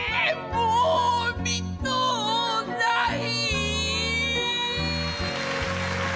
もう見とうない」。